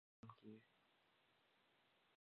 هرځل چې روغتیا خوندي وي، تولید کم نه کېږي.